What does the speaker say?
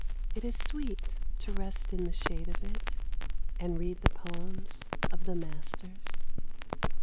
It is sweet to rest in the shade of it And read the poems of the masters.